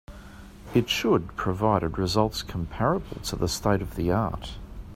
It should provided results comparable to the state of the art.